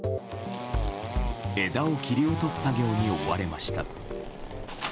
枝を切り落とす作業に追われました。